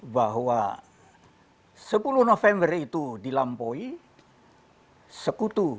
bahwa sepuluh november itu dilampaui sekutu